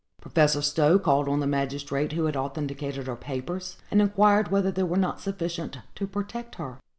Professor Stowe called on the magistrate who had authenticated her papers, and inquired whether they were not sufficient to protect her.